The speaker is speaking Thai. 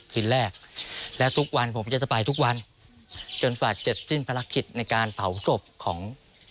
คืนแรกและทุกวันผมจะไปทุกวันจนฝากเสร็จสิ้นภารกิจในการเผาศพของ